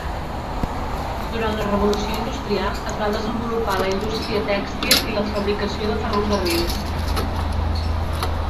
Durant la Revolució Industrial es va desenvolupar la indústria tèxtil i la fabricació de ferrocarrils.